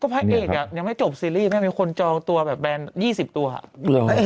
พ่อเอกยังไม่จบซีรีส์ไม่มีคนจองตัวแบรนด์๒๐ตัวอะ